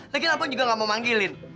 lagian alpon juga nggak mau manggilin